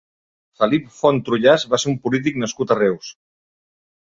Felip Font Trullàs va ser un polític nascut a Reus.